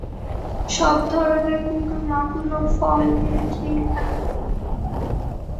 সব ধরনের পোকামাকড় ও ফল এরা খেয়ে থাকে।